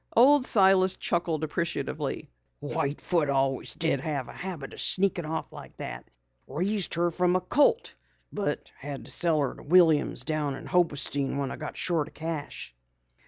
Old Silas chuckled appreciatively. "White Foot always did have a habit o' sneakin' off like that. Raised her from a colt, but sold her to Williams down in Hobostein when I got short o' cash."